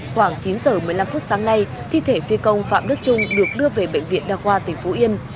khoảng chín giờ một mươi năm phút sáng nay thi thể phi công phạm đức trung được đưa về bệnh viện đa khoa tỉnh phú yên